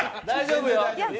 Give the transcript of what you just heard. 大丈夫よ！